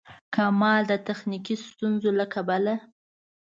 کمال د تخنیکي ستونزو له کبله.